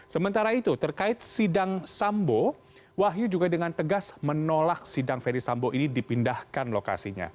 sementara itu terkait sidang sambo wahyu juga dengan tegas menolak sidang ferdis sambo ini dipindahkan lokasinya